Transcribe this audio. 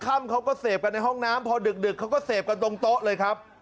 ค่ำเขาก็เสพกันในห้องน้ำพอดึกเขาก็เสพกันตรงโต๊ะเลยครับ